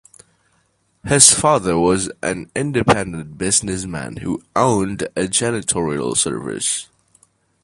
His father was an independent businessman who owned a janitorial service.